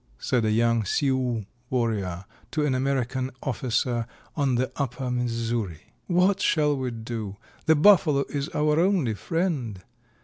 said a young Sioux warrior to an American officer on the Upper Missouri. 'What shall we do? The Buffalo is our only friend.